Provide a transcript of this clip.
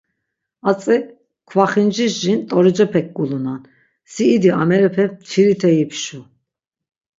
Atzi kvaxinciş jin t̆orocepek gulunan, si idi amerepe mtvirite yipşu.